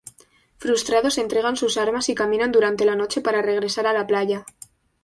Frustrados, entregan sus armas y caminan durante la noche para regresar a la playa.